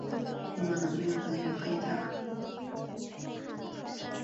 红玛瑙有扁平黑白阶。